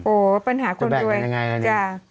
โอ๊ยปัญหาคนตัวแล้วจะแบ่งอย่างไร